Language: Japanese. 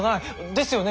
ですよね？